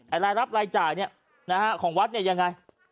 ไอ้รายรับรายจ่ายของวัดยังไง